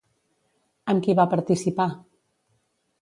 Amb qui va participar?